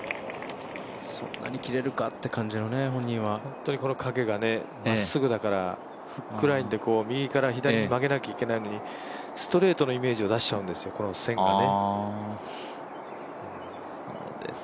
そんなに切れるかっていう感じの、本人は本当にこの影がまっすぐだから、フックラインで右から左に曲げなきゃいけないのにストレートのイメージを出しちゃうんですよ、この線がね。